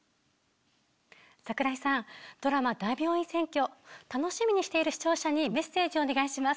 櫻井さんドラマ『大病院占拠』楽しみにしている視聴者にメッセージをお願いします。